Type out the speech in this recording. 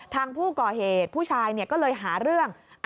ทางผู้ก่อเหตุผู้ชายก็เลยหาเรื่อง